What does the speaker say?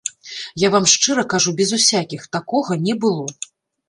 Я вам шчыра кажу, без усякіх, такога не было.